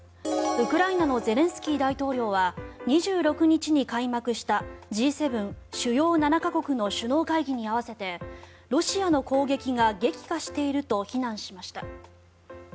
ウクライナのゼレンスキー大統領は２６日に開幕したＧ７・主要７か国の首脳会議に合わせてロシアの攻撃が激化していると非難しました。